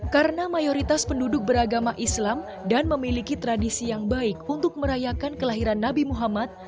karena mayoritas penduduk beragama islam dan memiliki tradisi yang baik untuk merayakan kelahiran nabi muhammad